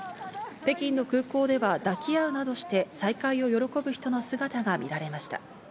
北京の空港では抱き合うなどして再会を喜ぶ人の姿が見られました。